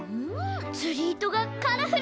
つりいとがカラフルだね！